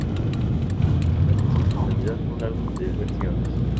Es casi en su totalidad, un álbum de versiones.